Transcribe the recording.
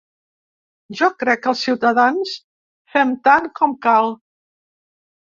Jo crec que els ciutadans fem tant com cal.